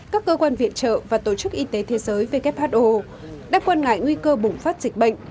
các cơ quan viện trợ và tổ chức y tế thế giới who đang quan ngại nguy cơ bùng phát dịch bệnh